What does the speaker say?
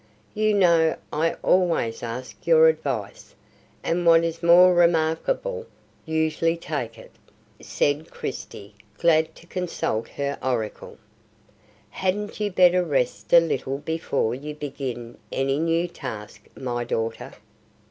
You know I always ask your advice, and what is more remarkable usually take it," said Christie, glad to consult her oracle. "Hadn't you better rest a little before you begin any new task, my daughter?